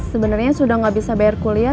aku sebenarnya sudah tidak bisa bayar kuliah